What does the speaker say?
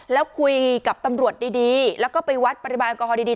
แล้วคุยกับตำรวจดีแล้วก็ไปวัดปริมาณแอลกอฮอลดี